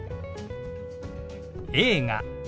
「映画」。